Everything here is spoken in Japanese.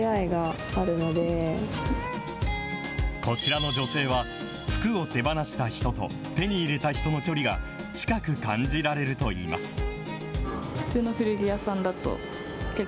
こちらの女性は、服を手放した人と、手に入れた人の距離が近く感じられるといいます。